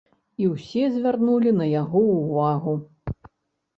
І ўсе звярнулі на яго ўвагу.